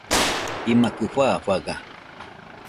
imakɨ fafaga